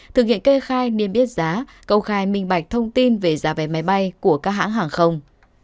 thực hiện kê khai niêm yết giá công khai minh bạch thông tin về giá vé máy bay của các hãng hàng không